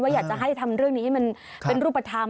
อยากจะให้ทำเรื่องนี้ให้มันเป็นรูปธรรม